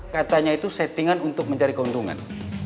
katanya itu settingan untuk mencari keuntungan